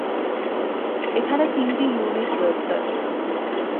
এখানে তিনটি ইউনিট রয়েছে।